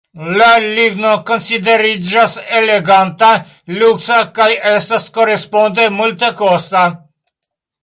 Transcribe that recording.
La ligno konsideriĝas eleganta, luksa kaj estas koresponde multekosta.